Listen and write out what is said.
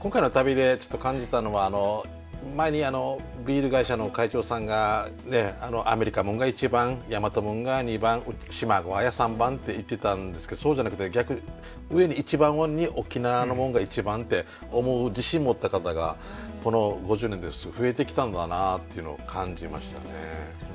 今回の旅でちょっと感じたのは前にビール会社の会長さんがアメリカ物が１番大和物が２番しまぐゎーが３番って言ってたんですけどそうじゃなくて逆１番に沖縄のもんが１番って思う自信持った方がこの５０年で増えてきたんだなっていうのを感じましたね。